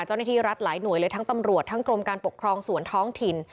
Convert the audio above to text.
เจ้าหน้าที่รัฐหลายหน่วยเลยทั้งตำรวจทั้งกรมการปกครองส่วนท้องถิ่น